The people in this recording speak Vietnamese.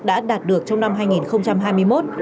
đã đạt được trong năm hai nghìn hai mươi một